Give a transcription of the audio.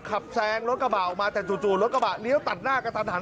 แซงรถกระบะออกมาแต่จู่รถกระบะเลี้ยวตัดหน้ากระทันหัน